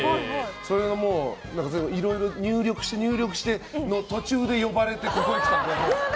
それがもういろいろ入力しての途中で呼ばれて、ここに来たので。